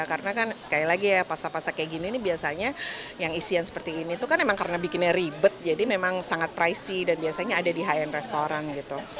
karena kan sekali lagi ya pasta pasta kayak gini ini biasanya yang isian seperti ini itu kan emang karena bikinnya ribet jadi memang sangat pricey dan biasanya ada di high end restaurant gitu